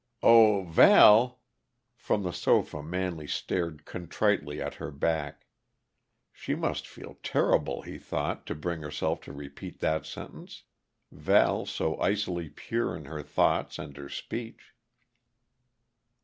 "Oh, Val!" From the sofa Manley stared contritely at her back. She must feel terrible, he thought, to bring herself to repeat that sentence Val, so icily pure in her thoughts and her speech.